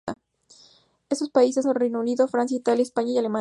Estos países son: Reino Unido, Francia, Italia, España y Alemania.